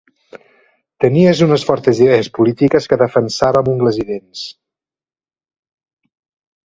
Tenies unes fortes idees polítiques que defensava amb ungles i dents.